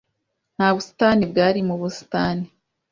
Nta busitani bwari mu busitani.